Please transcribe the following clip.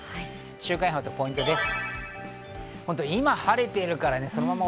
週間予報とポイントです。